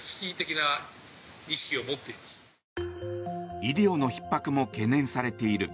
医療のひっ迫も懸念されている。